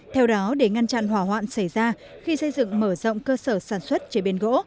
theo đó để ngăn chặn hỏa hoạn xảy ra khi xây dựng mở rộng cơ sở sản xuất chế biến gỗ